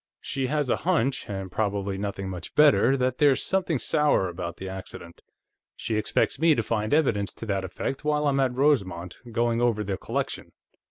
She has a hunch, and probably nothing much better, that there's something sour about the accident. She expects me to find evidence to that effect while I'm at Rosemont, going over the collection.